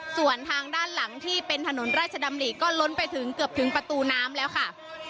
ส่วนทางด้านหลังที่เป็นถนนราชดำริก็ล้นไปถึงเกือบถึงประตูน้ำแล้วค่ะ